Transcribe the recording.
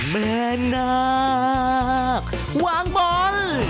แม่นาควางบน